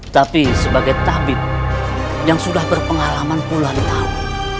tapi sebagai tabib yang sudah berpengalaman puluhan tahun